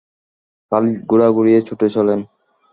খালিদ ঘোড়া ঘুরিয়ে ছুটে চলেন।